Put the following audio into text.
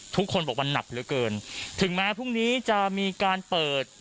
ทุกคนบอกว่าหนักเหลือเกินถึงแม้พรุ่งนี้จะมีการเปิด